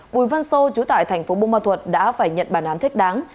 bùi văn sô chú tại thành phố bông ma thuật đã phải nhận bàn án thích đáng